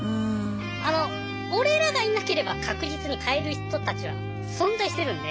あの俺らがいなければ確実に買える人たちは存在してるんで。